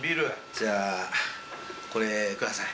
じゃあこれください。